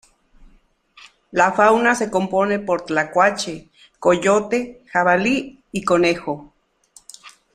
La fauna se compone por tlacuache, coyote, jabalí y conejo.